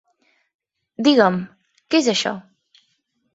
Diguem, què és això?